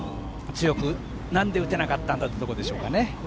なんで打てなかったんだというところでしょうね。